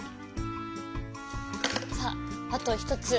さああと１つ。